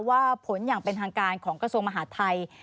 ว่าผลอย่างเป็นทางการของกระทรวงมหาดไทย